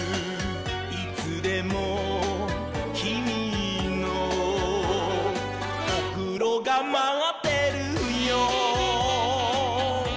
「いつでもきみのおふろがまってるよ」